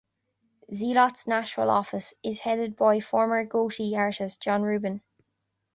Zealot's Nashville office is headed by former Gotee artist John Reuben.